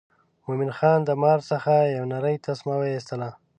مومن خان د مار څخه یو نرۍ تسمه وایستله.